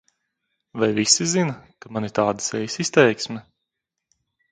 Vai visi zina, ka man ir tāda sejas izteiksme?